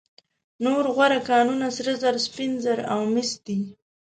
نور غوره کانونه سره زر، سپین زر او مس دي.